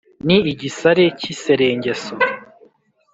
ni igisare k’iserengeso